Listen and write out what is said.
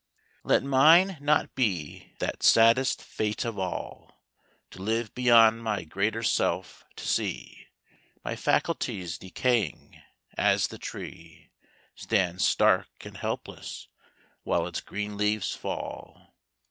Let mine not be that saddest fate of all To live beyond my greater self; to see My faculties decaying, as the tree Stands stark and helpless while its green leaves fall.